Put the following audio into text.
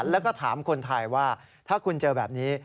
แล้วก็ถามคนไทยว่าถ้าคุณเจอแบบนี้